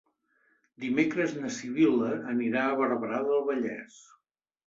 Dimecres na Sibil·la anirà a Barberà del Vallès.